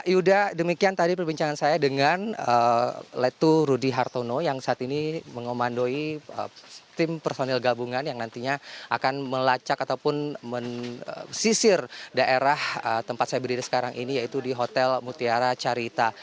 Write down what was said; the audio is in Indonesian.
yuda demikian tadi perbincangan saya dengan letu rudy hartono yang saat ini mengomandoi tim personil gabungan yang nantinya akan melacak ataupun mesisir daerah tempat saya berdiri sekarang ini yaitu di hotel mutiara carita